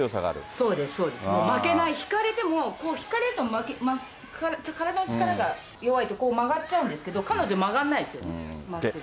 そうです、そうです、負けない、引かれても、引かれるとちょっと、体の力が弱いとこう曲がっちゃうんですけれども、彼女、曲がらないですよね、まっすぐ。